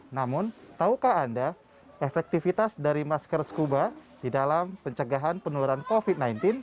namun tahukah anda efektivitas dari masker scuba di dalam pencegahan penularan covid sembilan belas